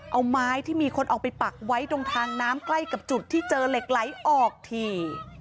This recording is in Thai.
เอาไม้ที่มีคนเอาไปปักไว้ตรงทางน้ำใกล้กับจุดที่เจอเหล็กไหลออกที